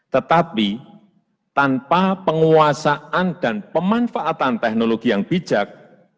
tetapi tanpa penguasaan dan pemanfaatan teknologi yang bijak